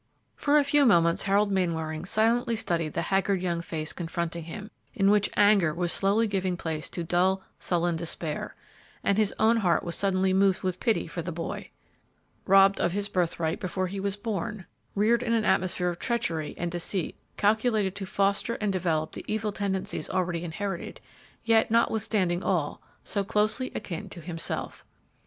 For a few moments Harold Mainwaring silently studied the haggard young face confronting him, in which anger was slowly giving place to dull, sullen despair; and his own heart was suddenly moved with pity for the boy. "Robbed of his birthright before he was born," reared in an atmosphere of treachery and deceit calculated to foster and develop the evil tendencies already inherited; yet, notwithstanding all, so closely akin to himself.